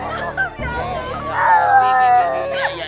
wos georgia kaya aja